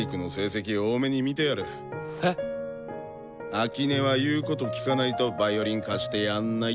秋音は言うこと聞かないとヴァイオリン貸してやんない。